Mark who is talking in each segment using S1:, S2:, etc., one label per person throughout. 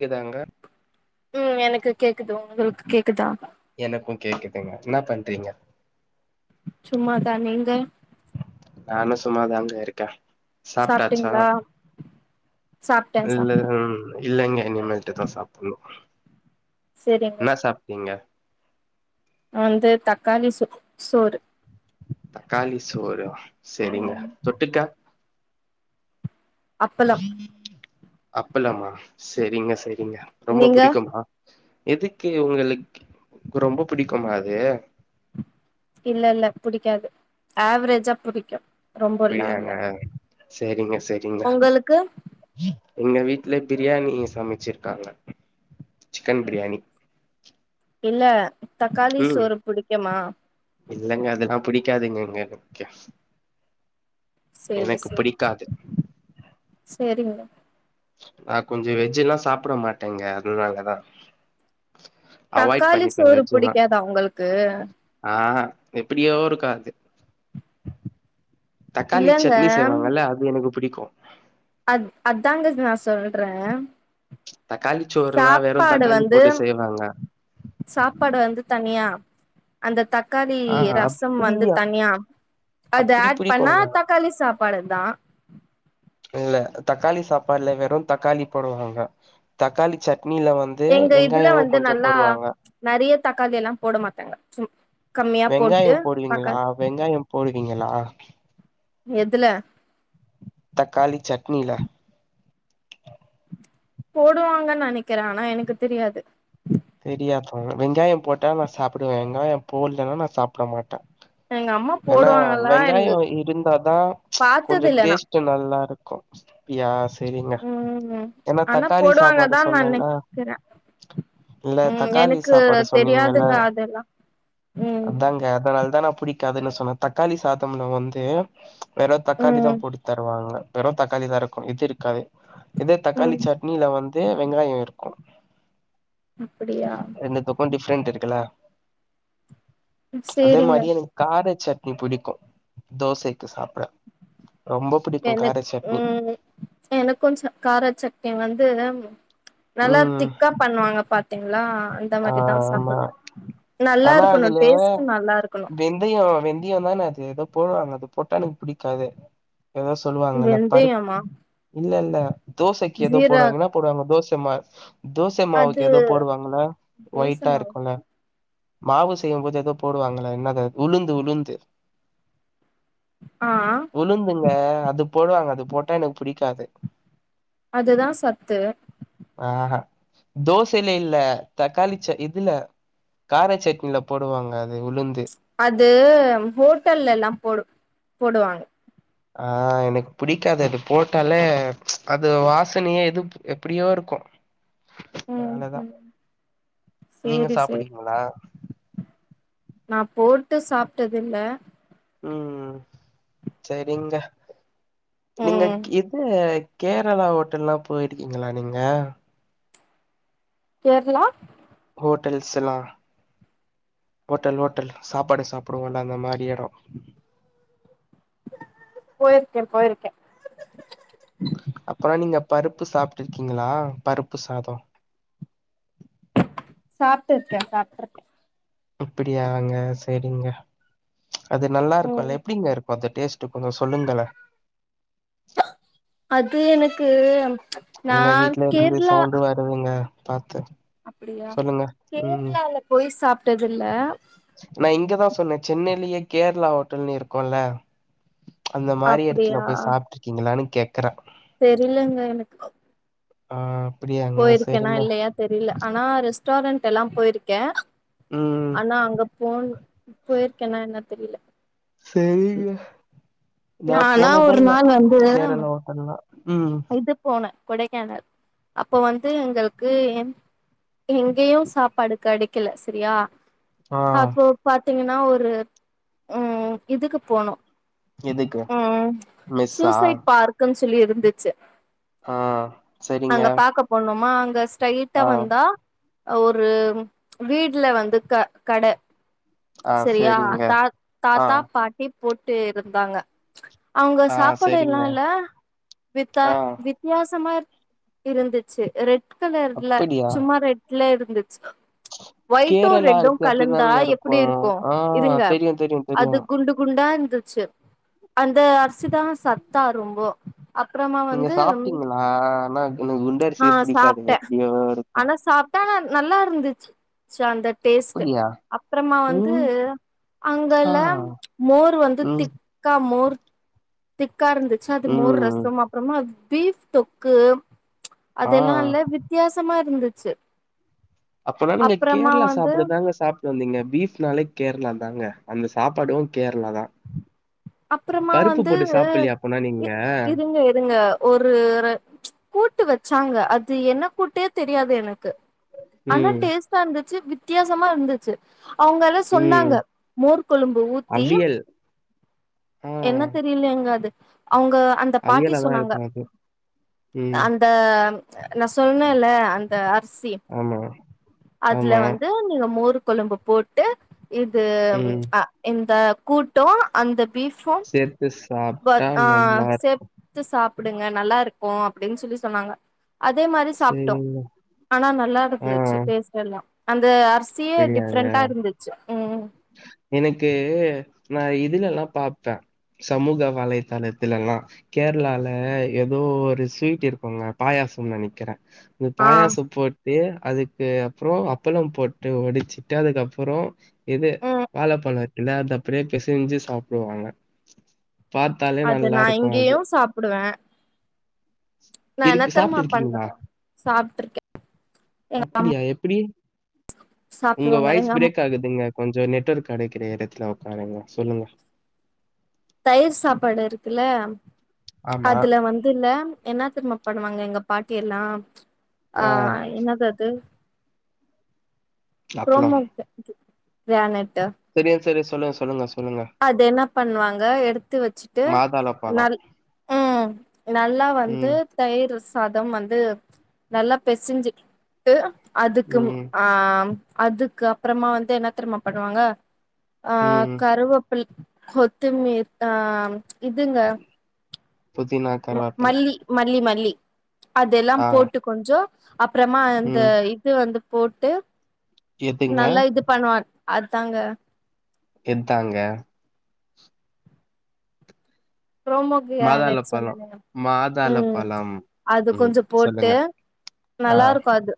S1: க்குதாங்க
S2: ம் எனக்கு கேக்குது உங்களுக்கு கேக்குதா
S1: எனக்கும் கேக்குதுங்க என்ன பண்றீங்க
S2: சும்மாதா நீங்க
S1: நானு சும்மாதாங்க இருக்கே சாப்ட்டாச்சா
S2: சாப்டீங்ளா
S1: இல்ல ம் இல்லங்க இனிமேல்டு தா சாப்புணு
S2: செரிங்க
S1: இன்னா சாப் டீங்க
S2: நா வந்து தக்காளி சோ சோறு
S1: தக்காளி சோறா செரிங்க
S2: ம்
S1: தொட்டுக்க
S2: அப்பளம்
S1: அப்பளமா செரிங்க செரிங்க ரொம்ப
S2: நீங்க
S1: புடிக்குமா எதுக்கு உங்களுக்கு ரொம்ப புடிக்குமா அது
S2: இல்ல இல்ல புடிக்காது ஆவ்ரேஜா புடிக்கு ரொம்பல்லா இல்ல
S1: அப்டியாங்க செரிங்க செரிங்க
S2: உங்களுக்கு
S1: எங்க வீட்ல பிரியாணி சமச்சிருக்காங்க சிக்கன் பிரியாணி
S2: இல்ல தக்காளி
S1: ம்
S2: சோறு புடிக்குமா
S1: இல்லங்க அதெல்லா புடிக்காதுங்க இங்க எனக்
S2: செரி செரி
S1: புடிக்காது
S2: செரிங்க
S1: நா கொஞ்சோ வெஜ்ஜெல்லா சாப்ட மாட்டேங்க அதுனாலதா
S2: தக்காளி சோறு புடிக்காதா உங்களுக்கு
S1: ஆஹ எப்டியோ ஒருக்காது தக்காளி
S2: இல்லங்க
S1: சட்னி செய்வாங்கல்ல அது எனக்கு புடிக்கு
S2: அத் அதாங்க நா சொல்றே
S1: தக்காளி ச்சோறுனா வெறு
S2: சாப்பாடு
S1: தக்காளி
S2: வந்து
S1: போட்டு செய்வாங்க
S2: சாப்பாடு வந்து தனியா அந்த தக்காளி
S1: ஆ
S2: ரசம்
S1: அப்டி
S2: வந்து தனியா அது
S1: அப்டி
S2: ஆட் பண்ணா
S1: பிடிக்குங்க
S2: தக் காளி சாப்பாடு அதா
S1: இல்ல தக்காளி சாப்பாடுல வெறு தக்காளி போடுவாங்க தக்காளி சட்னியில வந்து
S2: எங்க இதுல
S1: வெங்காயோ
S2: வந்து
S1: கொஞ்சோ
S2: நல்லா
S1: போடுவாங்க
S2: நெறைய தக்காளில்லா போட மாட்டாங்க சும் கம்மியா
S1: வெங்காய
S2: போட்டு
S1: போடுவீங்களா
S2: தக்காளி
S1: வெங்காய போடுவீங்களா
S2: எதுல
S1: தக்காளிச்சட்னில
S2: போடுவாங்கன்னு நெனைக்குற ஆனா எனக்கு தெரியாது
S1: தெரியா தவங்க வெங்காயம் போட்டா நா சாப்டுவ வெங்காயம் போடலன்னா நா சாப்ட மாட்ட
S2: எங்க அம்மா
S1: ஏன்னா
S2: போடுவாங்களா
S1: வெங்காய
S2: எனக்கு
S1: இருந்தாதா
S2: பாத்தது
S1: கொஞ்ச
S2: இல்ல நா
S1: டேஸ்ட் நல்லா இருக்கு யா செரிங்க
S2: ம் ஆனா போடுவாங்கதா நெனைக்குறே
S1: இல்ல
S2: ம்
S1: தக்காளி
S2: எனக்கு
S1: சாப்பாடு சொன்னீங்கல்ல
S2: தெரியாதுங்க அதெல்லா ம்
S1: அதுனால தா நா புடிக்காதுன்னு சொன்னே தக்காளி சாதம்ல வந்து வெறு தக்காளி
S2: ம்
S1: தான் போட்டு தருவாங்க வெறு தக்காளி தா இருக்கு இது இருக்காது இதே தக்காளி
S2: ம்
S1: சட் னில வந்து வெங்காய இருக்கும்
S2: அப்படியா
S1: ரெண்டத்துக் கு டிஃப்ரெண்ட் இருக்குல அதே
S2: சேரிங்க
S1: மாரி எனக்கு கார சட்னி புடிக்கு தோசைக்கு சாப்புட ரொம்ப பிடிக்கும் கார
S2: எனக்
S1: சட்னி.
S2: ம் எனக்கும் ச காரச்சட்னிவந்து நல்லா
S1: ம்
S2: திக்கா பண்ணுவாங்க பா த்திங்ளா இந்த மாரிதா
S1: ஆமா.
S2: சாப்பிடுவே நல்லா இருக்கணு டேஸ்ட் நல்லா இருக்கணு
S1: வெந்தயம் வெந்தயம் தானே அது எதோ போடுவாங்க அது போட்டா எனக்கு புடிக்காது எதோ சொல்லுவாங்கல்ல பருப்
S2: வெந்தயமா
S1: இல்ல இல்ல தோசைக்கு எதோ
S2: ஜீரா
S1: போடுவாங்க என்னா போடுவாங்க தோசம்மா
S2: அது
S1: தோசமாவுக்கு எதோ போடுவாங்கள
S2: தோச மாவு
S1: மாவு செய்யும் போது எதோ போடுவாங்கள என்னது உளுந்து உளுந்து
S2: ஆ
S1: உளுந்துங்க அது போடுவாங்க அது போட்டா எனக்கு பிடிக்காது
S2: அதுதா சத்து
S1: ஆஹ தோசல இல்ல தக்காளிச்ச இதுல காரச்சட்னில போடுவாங்க அது உளுந்து
S2: அது ஹோட்டல்லல்லா போடு போடுவாங்க
S1: ஆ எனக்கு புடிக்காது அது போட்டாலே அது வாசனையே எதுப் எப்டியோருக்கு
S2: ம்
S1: அவ்ளதா
S2: ம்
S1: நீங்க
S2: சேரி சேரி
S1: சாப்புடுவிங்களா
S2: நா போட்டு சாப்டதில்ல
S1: ம் சரிங்க நீங்க
S2: ம்
S1: இது கேரளா ஹோட்டல்லா போயிருக்கீங்களா நீங்க
S2: கேரளா
S1: ஹோட்டல்ஸ்லா ஹோட்டல் ஹோட்டல் சாப்பாடு சாப்பிடுவோல்ல அந்த மாரி எட
S2: போயிருக்கே போயிருக்கே
S1: அப்புனா நீங்க பருப்பு சாப்ட்டு இருக்கீங்ளா பருப்பு சாதோ
S2: சாப்டு இருக்கே சாப்டுருக்
S1: அப்டியாங்க செரிங்க அது நல்லா
S2: ம்
S1: இருக்குல்ல எப்டிங்க இருக் அப்போ அந்த டேஸ்ட் கொஞ்ச சொல்லுங்களே
S2: அது எனக்கு நா கேரளா
S1: சொல்லுங்க பாத்து சொல்லுங்க ம்
S2: கேர்ளால போய் சாப்டதில்ல
S1: நா இங்கதா சொன்ன சென்னையிலயே கேரளா ஹோட்டல்னு இருக்குல்ல அந்த மாரி எடத்துல
S2: அப்டியா
S1: போய் சாப்ட்டு இருக்கீங்களானு கேக்கறே
S2: தெரிலங்க எனக்கு
S1: ஆ அப்டியாங்க
S2: போயிருக்கேனா
S1: சரிங்க
S2: இல்லையா தெரில ஆனா ரெஸ்டாரண்ட் எல்லா போயிருக்கே
S1: ம்
S2: ஆனா அங்க போன் போயிருக்கேன்னா என்ன தெரில
S1: செரிங்க நா
S2: நானா ஒரு
S1: போனதேல்ல
S2: நாள் வந்து
S1: கேரளா ஓட்டல்லா ம்
S2: இது போன கொடைக்கானல் அப்போ வந்து எங்களுக்கு எங் எங்கேயு சாப்பாடு கெடைக்கல சரியா
S1: ஆ
S2: அப்போ பாத்தீங்கன்னா ஒரு ம் இதுக்கு போனோ
S1: எதுக்கு?
S2: ம்
S1: மெஸ்ஸா?
S2: சூசைட் பார்க்குன் சொல்லி இருந்துச்சு
S1: ஆ சரிங்க.
S2: அங்க பாக்க போணோமா அங்க ஸ்டைட்டா
S1: ஆ
S2: வந்தா ஒரு வீடுல வந்து க கட
S1: ஆ
S2: சரியா
S1: சரிங்க.
S2: தா
S1: ஆ
S2: தாத்தா பாட் டி போட்டு இருந்தாங்க அவங்க
S1: ஆ
S2: சாப்பாடு
S1: சரிங்க.
S2: எல்லால வித்த
S1: ஆ
S2: வித்தியாசமா இருந்துச்சு ரெட் கலர்ல
S1: அப்படியா?
S2: சும்மா ரெட் ல இருந்துச்சு ஒயிட்டு
S1: கேரளா
S2: ரெட்டு
S1: அரிசி
S2: கலந்தா
S1: அப்படிதாங்க
S2: எப்டி
S1: இருக்கும்.
S2: இருக்கு
S1: ஆ
S2: இருங்க
S1: தெரியும் தெரியும்
S2: அது
S1: தெரியும்.
S2: குண்டு குண்டா இருந்துச்சு அந்த அரிசிதா சத்தா ரொம்போ அப்றமா
S1: நீங்க
S2: வந்து
S1: சாப்ட்டீங்களா ஆனா எனக்கு குண்ட
S2: ஆ
S1: அரிசியே புடிக்காதுங்க எப்டியோ இருக்கு
S2: டன நல்லா இருந்துச்சு ச அந்த டேஸ்ட்டு
S1: அப்படியா?
S2: அப்புறமா வந்து
S1: ம் ஆ
S2: அங்கல மோர் வந்து
S1: ம்
S2: திக் க்கா மோர் திக்கா இருந்துச்சு அது மோர்
S1: ம்
S2: ரசம் அப்றமா பீஃப் தொக்கு அதெல்லா
S1: ஆ
S2: இல்ல வித்தியாசமா இருந்துச்சு
S1: அப்பனா நீங்க
S2: அப்றமா
S1: கேரளா
S2: வந்து
S1: சாப்படுதாங்க சாப் வந்தீங்க பீஃப்னாலே கேரளா தாங்க அந்த சாப்பாடு கேரளா தா
S2: அப்றமா வந்து
S1: சாப்பிடலையா அப்பனா
S2: இ
S1: நீங்க?
S2: இருங்க இருங்க ஒரு ர கூட்டு வச்சாங்க அது என்ன கூட்டே தெரியாது எனக்கு ஆனா
S1: ம்,
S2: டேஸ்ட்டா இருந்துச்சு வித்தியாசமா இருந்துச்சு அவங்கல சொன்னாங்க
S1: ம்.
S2: மோர் கொழும்பு ஊத்தி
S1: அவியல். ஆ
S2: என்ன தெரியலங்க அது அவங்க அந்த பாட்டி
S1: அவியலா தான்
S2: சொன்னாங்க
S1: இருக்கும் அது. ம்.
S2: அந் த நா சொண்ணேல அந்த அரிசி
S1: ஆமா,
S2: அதுல
S1: ஆமா.
S2: வந் து நீங்க மோர் கொழும்பு போட்டு இது
S1: ம்.
S2: அ இந்த கூட்டோ அந்த பீஃபு
S1: சேர்த்து சாப்ட்டா
S2: அ
S1: நல்லா இரு
S2: சேத் ச்சு சாப்புடுங்க நல்லா இருக்கு அப்டின்னு சொல்லி சொன்னாங்க அதே மாரி சாப்ட்டோ
S1: சரிங்க.
S2: ஆனா நல்லா இருந்துச்சு டேஸ்ட் எல்லா அந்த அரிச்
S1: தெரியாதே எனக்கு நா இதுல எல்லா பாப்பே சமூக வலைத்தளத்துலல்லா கேரளால ஏதோ ஒரு ஸ்வீட் இருக்கோங்க பாயாசம் நனைக்கிறே இந்த
S2: ஆ
S1: பாயாசோ போட்டு அதுக்கு அப்புறோ அப்பளோ போட்டு ஒடிச்சுட்டு அதுக்கப்புறோ இது
S2: ம்
S1: வாழப்பழோ இருக்குல அத அப்டியே பெசஞ்சு சாப்டுவாங்க பாத்தாலே
S2: அது
S1: நல்லா
S2: நா
S1: இருக்கு
S2: இங்கேயு
S1: அது
S2: சாப்புடுவே நா என்ன
S1: இருக்கு சாப்ட்டு
S2: தெருமா
S1: இருக்கீங்களா
S2: பண்ணுவே சாப்ட்டுருக்கே
S1: அப்டியா எப்டி உங்க
S2: சாப்டுவாங்க
S1: வாய்ஸ்
S2: எங்க அம்
S1: பிரேக் ஆகுதுங்க கொஞ்ச நெட்ஒர்க் கடைக்கிற எடத்துல உக்காருங்க சொல்லுங்க
S2: தயிர் சாப்பாடு இருக்குல்ல
S1: ஆமா
S2: அதுல வந்துல என்ன தெரியுமா பண்ணுவாங்க எங்க பாட்டி எல்லா ஆ என்னது அது
S1: அப்பளோ
S2: ப்ரோமோ க கி கிரானட்
S1: தெரியு தெரியு சொல்லுங்க சொல்லுங்க ச்
S2: அது என்ன பண்ணுவாங்க எடுத்து வச்சுட்டு
S1: மாதாள பழோ
S2: நரி ம் நல்லா வந்து
S1: ம்
S2: தயிர் சாதம் வந்து நல்லா பெசிஞ்சு ட்டு அதுக்கு
S1: ம்
S2: ஆ அதுக்கு அப்புறமா வந்து என்ன தெரியுமா பண்ணுவாங்க அ
S1: ம்
S2: கருவேப்பில் கொத்திமிர் அ இதுங்க
S1: புதினா
S2: ம
S1: கருவேப்பில
S2: மல்லி மல்லி மல்லி அதெல்லா
S1: ஆ
S2: போட்டு கொஞ்சோ அப்புறமா அந்த
S1: ம்
S2: இது வந்து போட்டு
S1: எதுங்க
S2: நல்லா இது பண்ணுவா அதாங்க
S1: எந்தாங்க
S2: ப்ரோமோ
S1: மாதாள
S2: க்ராநெட்
S1: பழோ
S2: சொன்னனே
S1: மாதாள
S2: ம்
S1: பழம்
S2: அது
S1: ம்
S2: கொஞ்சொ போட்டு
S1: சொல்லுங்க
S2: நல்லா இருக்கு அது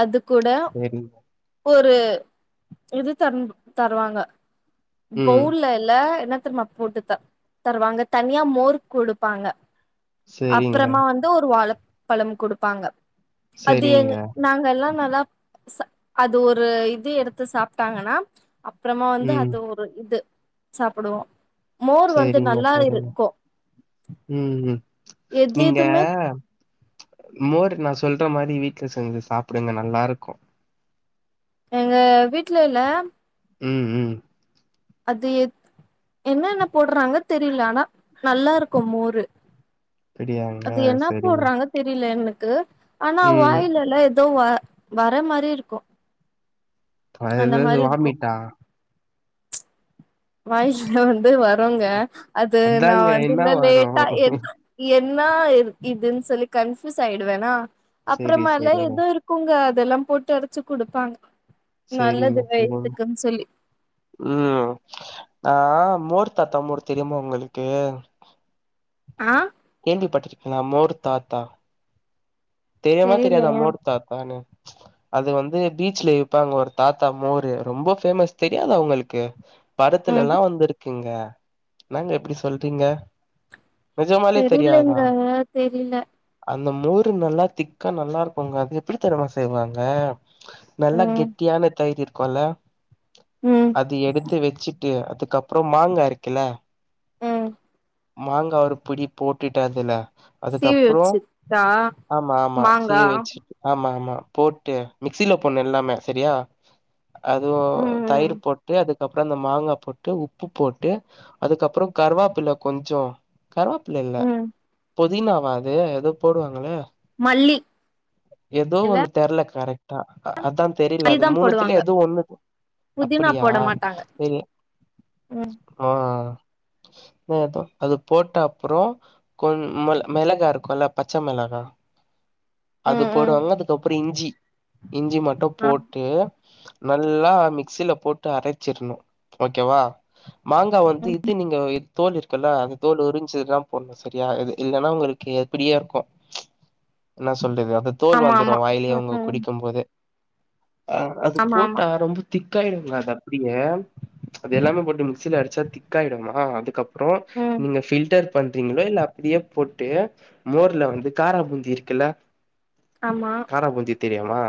S2: அது கூட
S1: சரிங்க
S2: ஒரு இது தருன் தருவாங்க
S1: ம்
S2: பவுல்ல இல்ல என்ன தெரியுமா போட்டு த தருவாங்க தனியா மோர் கொடுப்பாங்க
S1: சேரிங்க
S2: அப்புறமா வந் து ஒரு வாழப் பழம் கொடுப்பாங்க அது எ
S1: சேரிங்க
S2: நாங்க எல்லா நல்லா சா அது ஒரு இது எடுத்து சாப்ட்டாங்கன்னா அப்புறமா வந்து
S1: ம்
S2: அது ஒ ரு இது சாப்புடுவோ மோர் வந்து
S1: சேரிங்க
S2: நல்லா
S1: சேரிங்க
S2: இருக்கு
S1: ம் ம்
S2: எது
S1: நீங்க
S2: எதுமே
S1: மோர் நா சொல்ற மாரி வீட்டுல செஞ்சு சாப்புடுங்க நல்லா இருக்கு
S2: எங்க வீட்ல இல்ல
S1: ம் ம்
S2: அது என்ன என்ன போடுறாங்க தெரியில ஆனா நல்லா இருக்கு மோரு
S1: அப்டியாங்க
S2: அது என்ன
S1: சேரிங்க
S2: போடுறாங்க தெரியில எனக்கு ஆனா
S1: ம்
S2: வாயில எல்லா ஏதோ வ வர மாரி இருக்கு
S1: அது
S2: அந்த
S1: என்னது
S2: மாரி இருக்கு
S1: வாமிட்டா
S2: வாயில இருந்து வருங்க அது நா
S1: அதாங்க
S2: வந்து
S1: என்னா
S2: இல்ல
S1: வரு
S2: லேட்டா என் என்னா இ இதுன்னு சொல்லி கன்ஃப்யூஸ் ஆயிடுவேனா
S1: சேரி
S2: அப்புறமால
S1: சேரிங்க
S2: ஏதோ இரு குங்க அதெல்லா போட்டு அரச்சு குடுப்பாங்க நல்லது
S1: சேரிங்க சேரிங்க
S2: வைய்துக்குன் சொல்லி
S1: ம் ஆ மோர் தாத்தாமோர் தெரியுமா ஒங்களுக்கு
S2: ஆ
S1: கேள்வி பட்டிருக்கிங்களா மோர் தாத்தா தெரிமா தெரியாதா
S2: தெரிலங்க
S1: மோடு தாத்தானு
S2: [inaudible]
S1: அது வந்து பீச்ல இர்ப்பாங்க ஒரு தாத்தா மோரு ரொம்ப பேஃமஸ் தெரியாதா உங்களுக்கு
S2: ம்
S1: படத்துலல்லா வந்துருக்கிங்க என்னங்க இப்டி சொல்றீங்க நிஜமாலே
S2: தெரிலங்க
S1: தெரியாதா
S2: தெரில
S1: அந்த மோரு நல்லா திக்கா நல்லா இருக்குங்க அது எப்டி தருமா செய்வாங்க நல்லா
S2: ம்
S1: கெட்டியான தயிர் இருக்குல்ல
S2: ம்
S1: அது எடுத்து வச்சுட்டு அதுக்கப்ரோ மாங்கா இருக்கில
S2: ம்
S1: மாங்கா ஒரு புடி போட்டுட்டு அதுல
S2: சீவி
S1: அதுக்கப்புறோ
S2: வச்சித்தா
S1: ஆமா ஆமா சீவி வச்சு ஆமா ஆமா போட்டு மிக்சில போண்ணு எல்லாமே செரியா அதுவோ
S2: ம் ம்
S1: தயிர் போட்டு அது அப்பரோ அந்த மாங்கா போட்டு உப்பு போட்டு அதுக்கப்ரோ கருவாப்பில கொஞ்சோ கருவாப்பில்லில்ல
S2: ம்
S1: புதினவா அது எதோ போடுவாங்களே
S2: மல்லி
S1: எதோ
S2: இல்ல
S1: ஒண்ணு தெர்ல கரெக்டா அதா தெரில அது
S2: மல்லிதா
S1: மூணுத்துலயு
S2: போடுவாங்க
S1: எதோ ஒண்ணு
S2: புதினா
S1: அப்படியா
S2: போட மாட்டாங்க
S1: செரி
S2: ம்
S1: ஆ அது போட்ட அப்ரோ கொன் ம மெளகா இருக்குல்ல பச்ச மெளகா அது
S2: ம் ம்
S1: போடுவாங்க அதுக்கப்ரோ இஞ்சி இஞ்சி மட்டு
S2: ஆ
S1: போட் டு நல்லா மிக்ஸ்சில போட்டு அரைச்சிர்ணு ஓகேவா மாங்கா வந்து இது நீங்க தோல் இருக்குல்ல அந்த தோல் உறிஞ்சுதா போடணு சரியா இது இல்லன்னா உங்களுக்கு எப்டியோ இருக்கு என்ன சொல்றது அந்த தோல்
S2: ஆமா
S1: வந்துரு
S2: ஆமா
S1: வாய்லயே
S2: ம்
S1: அவுங்க
S2: ம்
S1: குடிக்குபோது ஆ அது
S2: ஆமா ஆமா
S1: போட்டா ரொம்ப திக்காய்ங்க அது அப்டியே அது எல்லாமே போட்டு மிக்ஸ்சில அடிச்சா திக்காய்டுமா அதுக்கப்புறம்
S2: ம்
S1: அப்ரோ நீங்க ஃபில்டர் பண்றீங்ளோ இல்ல அப்டியே போட்டு மோர்ல வந்து காரா பூந்தி இருக் கில்ல
S2: ஆமா
S1: காரா பூந்தி தெரிமா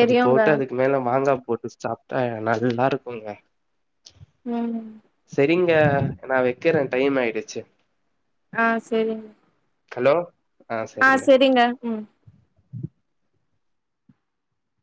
S1: அது போட்டு அதுக் மேல மாங்கா போட்டு சாப்ட்டா நல்லா இருக்குங்க
S2: ம்
S1: செரிங்க நா வெக்கிறே டைம் ஆய்டுச்சு
S2: ஆ செரி
S1: ஹலோ ஆ சரிங்க
S2: செரிங்க ம்